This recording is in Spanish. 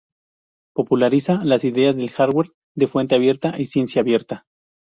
Populariza las ideas del hardware de fuente abierta y ciencia abierta.